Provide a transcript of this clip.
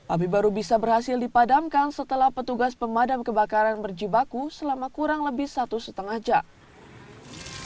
api baru bisa berhasil dipadamkan setelah petugas pemadam kebakaran berjibaku selama kurang lebih satu setengah jam